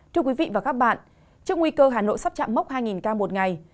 trước nguy cơ hà nội sắp chạm mốc hai ca một ngày